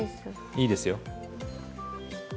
いいですよ。